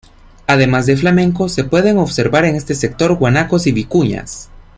Además de flamencos, se puede observar en este sector guanacos y vicuñas.